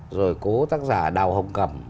rồi cố tác giả đào hồng cầm